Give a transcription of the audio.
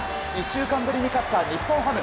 １週間ぶりに勝った日本ハム。